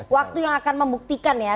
waktu yang akan membuktikan ya